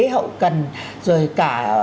hậu cần rồi cả